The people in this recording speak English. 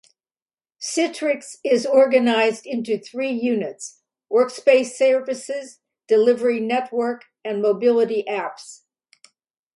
Citrix is organized into three units: Workspace Services, Delivery Network, and Mobility Apps.